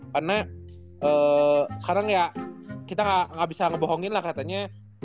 karena sekarang ya kita gak bisa ngebohongin lah katanya